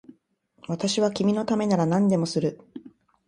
私は君のためなら何でもする